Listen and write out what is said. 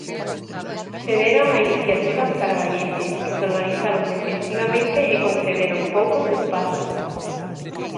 Cederon a iniciativa os carballeses, que se organizaron defensivamente e concederon poucos espazos.